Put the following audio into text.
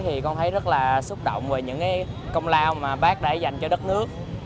thì con thấy rất là xúc động về những công lao mà bác đã dành cho đất nước